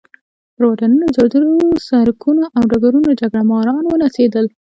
پر واټونو، جادو، سړکونو او ډګرونو جګړه ماران ونڅېدل.